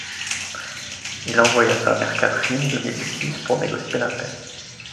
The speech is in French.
Il envoya sa mère Catherine de Médicis pour négocier la paix.